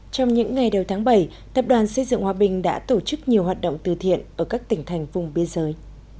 trong những ngày đầu tháng bảy tập đoàn xây dựng hòa bình đã tổ chức nhiều hoạt động từ thiện ở các tỉnh thành vùng biên giới